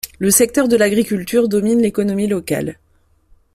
Le secteur de l'agriculture domine l'économie locale.